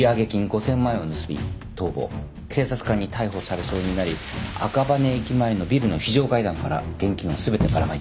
警察官に逮捕されそうになり赤羽駅前のビルの非常階段から現金を全てばらまいた。